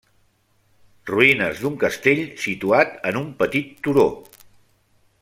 Ruïnes d'un castell situat en un petit turó.